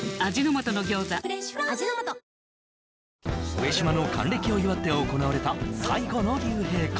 上島の還暦を祝って行われた最後の竜兵会